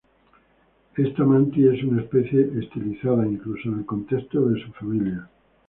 Esta mantis es una especie estilizada, incluso en el contexto de su familia.